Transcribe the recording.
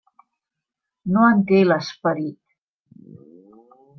No en té l'esperit.